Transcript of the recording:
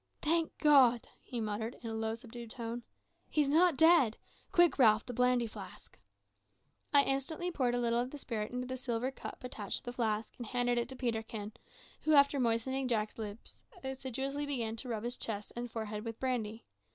"Thank God," he muttered, in a low, subdued tone, "he's not dead! Quick, Ralph the brandy flask." I instantly poured a little of the spirit into the silver cup attached to the flask, and handed it to Peterkin, who, after moistening Jack's lips, began assiduously to rub his chest and forehead with brandy.